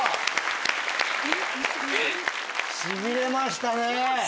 しびれました！